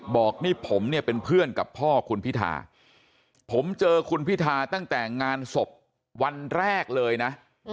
บอกนี่ผมเนี่ยเป็นเพื่อนกับพ่อคุณพิธาผมเจอคุณพิธาตั้งแต่งานศพวันแรกเลยนะ